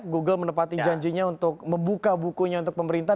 google menepati janjinya untuk membuka bukunya untuk pemerintah